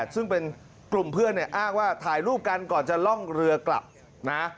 ซึ่งเป็นกลุ่มเพื่อนเนี่ยอ้างว่าถ่ายรูปกันก่อนจะล่องเรือกลับนะ